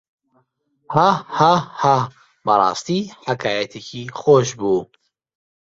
هاهاها بەڕاستی حەکایەتێکی خۆش بوو.